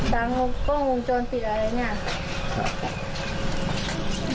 ทั้งก้องวงชนศิลป์อะไรนี่